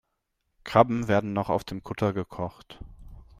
Krabben werden noch auf dem Kutter gekocht.